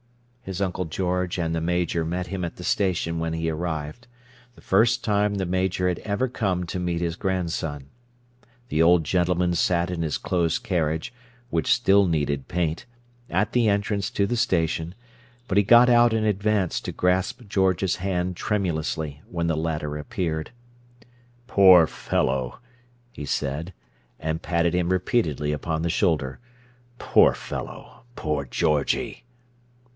His Uncle George and the Major met him at the station when he arrived—the first time the Major had ever come to meet his grandson. The old gentleman sat in his closed carriage (which still needed paint) at the entrance to the station, but he got out and advanced to grasp George's hand tremulously, when the latter appeared. "Poor fellow!" he said, and patted him repeatedly upon the shoulder. "Poor fellow! Poor Georgie!"